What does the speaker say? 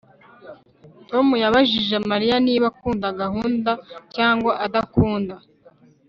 Tom yabajije Mariya niba akunda gahunda cyangwa adakunda